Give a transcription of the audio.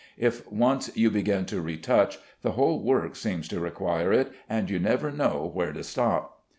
If once you begin to retouch, the whole work seems to require it, and you never know where to stop.